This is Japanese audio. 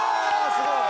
すごい！